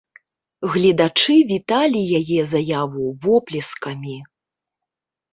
Гледачы віталі яе заяву воплескамі.